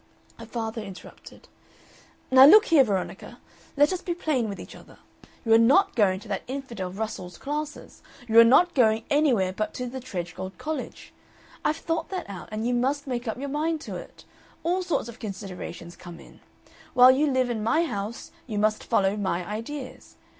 Her father interrupted. "Now look here, Veronica, let us be plain with each other. You are not going to that infidel Russell's classes. You are not going anywhere but to the Tredgold College. I've thought that out, and you must make up your mind to it. All sorts of considerations come in. While you live in my house you must follow my ideas.